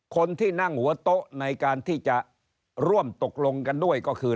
คนที่นั่งหัวโต๊ะในการที่จะร่วมตกลงกันด้วยก็คือ